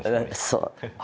そう。